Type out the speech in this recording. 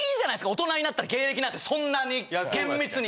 大人になったら芸歴なんてそんなに厳密に。